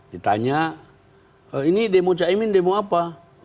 ditanya ini demo cak emin demo apa